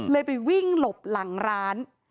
ไปวิ่งหลบหลังร้าน